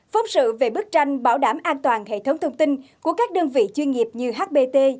phóng sự về bức tranh bảo đảm an toàn hệ thống thông tin của các đơn vị chuyên nghiệp như hbt